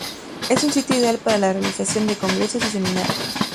Es un sitio ideal para la realización de congresos y seminarios.